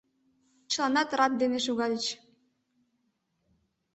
Чыланат рат дене шогальыч.